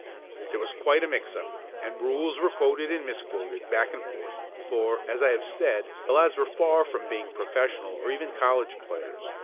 There was quite a mix up, and rules were quoted and mis quoted back and forth, for, as I have said, the lads were far from being professional or even college players.